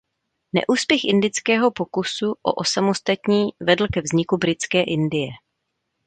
Neúspěch indického pokusu o osamostatnění vedl ke vzniku Britské Indie.